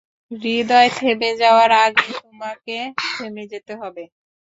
হৃদয় থেমে যাওয়ার আগে তোমাকে থেমে যেতে হবে।